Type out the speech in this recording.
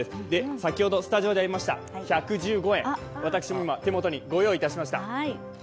先ほどスタジオでありました、１１５円、私も今、手元にご用意しました。